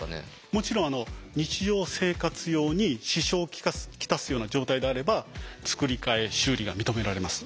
もちろん日常生活用に支障を来すような状態であれば作り替え修理が認められます。